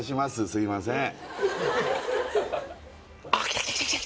すいません